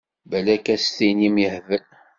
Balak ad s-tinim yehbel.